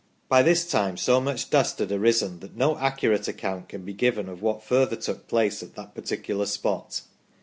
By this time so much dust had arisen that no accurate account can be given of what further took place at that particular spot.